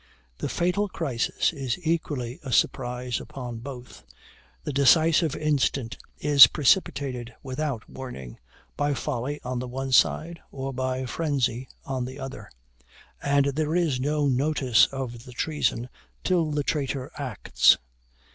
The fatal crisis is equally a surprise upon both; the decisive instant is precipitated without warning, by folly on the one side, or by frenzy on the other; and there is no notice of the treason till the traitor acts.